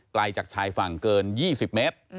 ไกลจากชายฝั่งเกิน๒๐เมตร